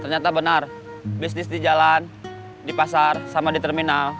ternyata benar bisnis di jalan di pasar sama di terminal